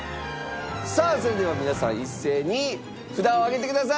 さあそれでは皆さん一斉に札を上げてください。